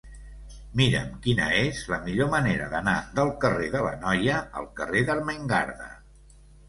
Mira'm quina és la millor manera d'anar del carrer de l'Anoia al carrer d'Ermengarda.